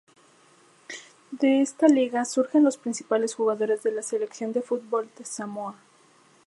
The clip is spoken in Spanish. De esta liga surgen los principales jugadores de la selección de fútbol de Samoa.